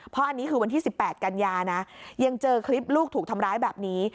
เพราะอันนี้คือวันที่๑๘กันยานะยังเจอคลิปลูกถูกทำร้ายแบบนี้